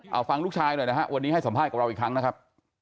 เอาฟังลูกชายหน่อยนะฮะวันนี้ให้สัมภาษณ์กับเราอีกครั้งนะครับ